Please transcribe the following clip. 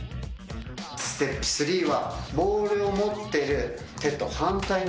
ステップ３は。